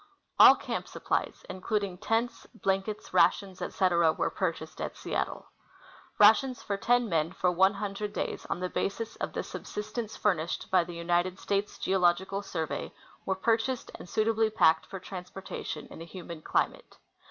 All camp supplies, including tents, blankets, rations, etc., were purchased at Seattle. Rations for ten men for one hundred days, on the basis of the subsistence furnished by the United States Geological Survey, were purchased and suitably packed for transportation in a humid climate.